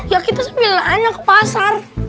ya kita sambil nyanyi ke pasar